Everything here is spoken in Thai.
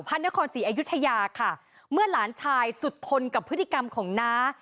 พระนครศรีอยุธยาค่ะเมื่อหลานชายสุดทนกับพฤติกรรมของน้า